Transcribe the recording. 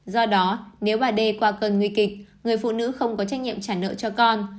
do đó nếu bà đê qua cơn nguy kịch người phụ nữ không có trách nhiệm trả nợ cho con